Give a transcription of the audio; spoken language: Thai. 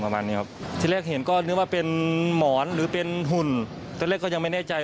ประมาณนี้ครับที่แรกเห็นก็นึกว่าเป็นหมอนหรือเป็นหุ่นตอนแรกก็ยังไม่แน่ใจ